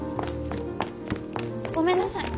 ごめんなさい。